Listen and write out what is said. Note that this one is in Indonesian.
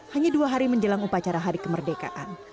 hanya dua hari menjelang upacara hari kemerdekaan